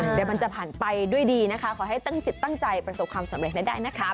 เดี๋ยวมันจะผ่านไปด้วยดีนะคะขอให้ตั้งจิตตั้งใจประสบความสำเร็จให้ได้นะคะ